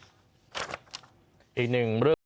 อีกหนึ่งเรื่อง